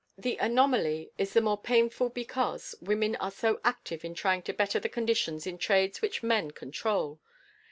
The anomaly is the more painful because women are so active in trying to better the conditions in trades which men control.